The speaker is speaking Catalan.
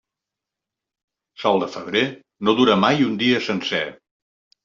Sol de febrer, no dura mai un dia sencer.